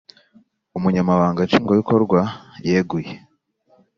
Umunyamabanga Nshingwabikorwa yeguye.